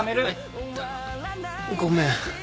ごめん。